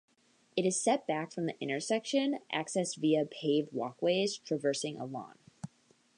It is set back from the intersection, accessed via paved walkways traversing a lawn.